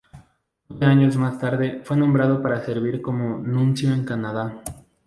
Nueve años más tarde fue nombrado para servir como Nuncio en Canadá.